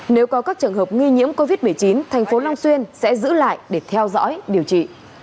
nếu có các trường hợp nghi nhiễm covid một mươi chín thành phố long xuyên sẽ giữ lại để theo dõi điều trị